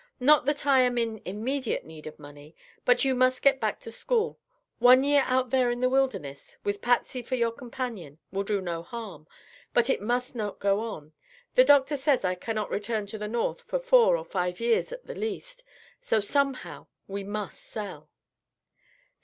"Not that I am in immediate need of money, but you must get back to school. One year out there in the wilderness, with Patsy for your companion, will do no harm, but it must not go on. The doctor says I cannot return to the North for four or five years at the least. So, somehow, we must sell."